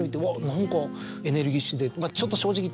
何かエネルギッシュで。